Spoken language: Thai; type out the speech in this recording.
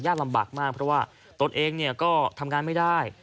ญาติลำบากมากเพราะว่าตนเองก็ทำงานไม่ได้